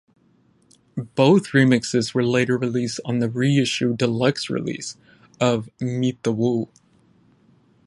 Both remixes were later released on the reissue deluxe release of "Meet the Woo".